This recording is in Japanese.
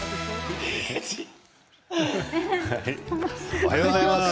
おはようございます。